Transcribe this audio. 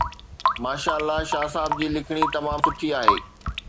ماشاءالله شاهه صاحب جي لکڻي تمام سٺي آهي